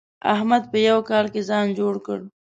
احمد په يوه کال کې ځان جوړ کړ.